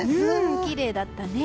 きれいだったね。